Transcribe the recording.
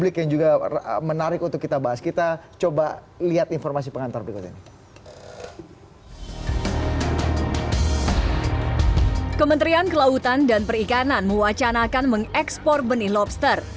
kementerian kelautan dan perikanan mewacanakan mengekspor benih lobster